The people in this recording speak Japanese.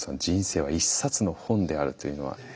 「人生は一冊の本である」というのは？